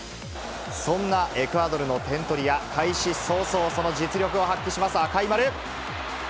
そんなエクアドルの点取り屋、開始早々、その実力を発揮します、赤い丸。